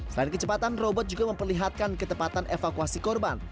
selain kecepatan robot juga memperlihatkan ketepatan evakuasi korban